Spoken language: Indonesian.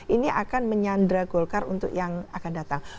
ini akan menyandra golkar untuk yang akan datang